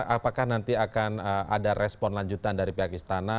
apakah nanti akan ada respon lanjutan dari pihak istana